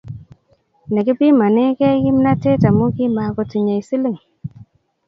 Nekipimanekei kimnatet amu kimakotinyei siling